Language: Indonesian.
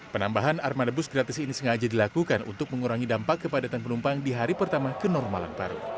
penambahan armada bus gratis ini sengaja dilakukan untuk mengurangi dampak kepadatan penumpang di hari pertama kenormalan baru